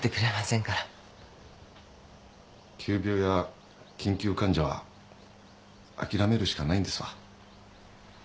急病や緊急患者はあきらめるしかないんですわ。